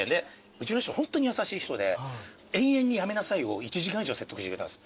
うちの師匠ホントに優しい人で延々にやめなさいを１時間以上説得してくれたんです。